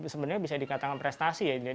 sebenarnya bisa dikatakan prestasi ya